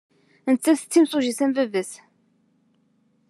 Nettat d timsujjit am baba-s.